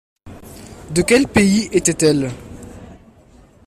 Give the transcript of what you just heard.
De quel pays était-elle ?